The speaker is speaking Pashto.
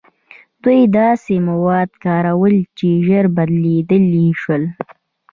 دوی داسې مواد کارول چې ژر بدلیدلی شول.